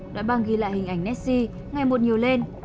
đã băng ghi lại hình ảnh nessie ngày một nhiều lên